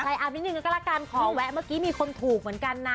อาบนิดนึงกันก็ละกันขอแวะเมื่อกี้มีคนถูกเหมือนกันนะ